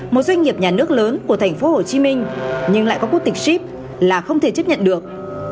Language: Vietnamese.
một doanh nghiệp nhà nước lớn của thành phố hồ chí minh nhưng lại có quốc tịch ship là không thể chấp nhận được